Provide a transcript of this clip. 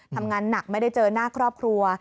ทำงานหนักไม่ได้เจอหน้าครอบครัว